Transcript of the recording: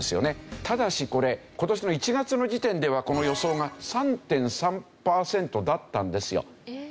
ただしこれ今年の１月の時点ではこの予想が３．３パーセントだったんですよ。